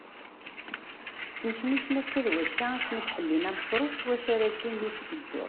Ttnecnicen akka d wakka akken ad ḥellin amesruf s wacu ara ddun deg ddurt.